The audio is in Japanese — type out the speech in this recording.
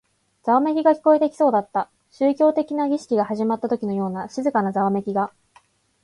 ざわめきが聞こえてきそうだった。宗教的な儀式が始まったときのような静かなざわめきが。